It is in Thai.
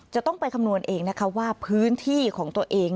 จะต้องไปคำนวณเองนะคะว่าพื้นที่ของตัวเอง